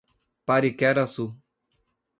Pariquera-Açu